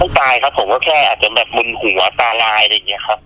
ต้องตายครับผมก็แค่อาจมรุนหัวตาลายอะไรอย่างเงี้ยครับ